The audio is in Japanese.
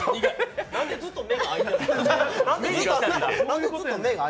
なんでずっと目が開いてない？